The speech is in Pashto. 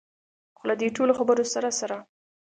خو له دې ټولو خبرو سره سره.